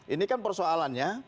ini kan persoalannya